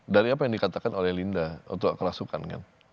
dari apa yang dikatakan oleh linda atau kerasukan kan